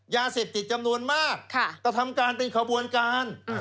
ยาเสพติดจำนวนมากกระทำการเป็นขบวนการ